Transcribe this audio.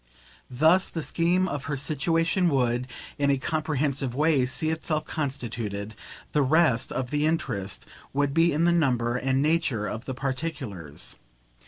Thus the scheme of her situation would, in a comprehensive way, see itself constituted; the rest of the interest would be in the number and nature of the particulars.